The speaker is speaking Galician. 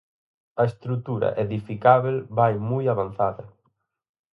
A estrutura edificábel vai moi avanzada.